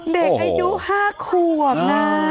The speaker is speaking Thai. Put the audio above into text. เด็กอายุ๕ขวบนะ